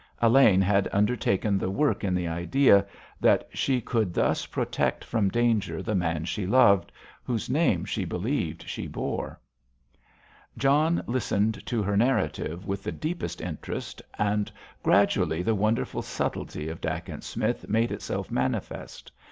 Elaine had undertaken the work in the idea that she could thus protect from danger the man she loved, whose name she believed she bore. John listened to her narrative with the deepest interest, and gradually the wonderful subtlety of Dacent Smith made itself manifest.